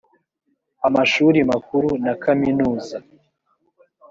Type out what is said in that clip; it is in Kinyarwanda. amashuri makuru na kaminuza.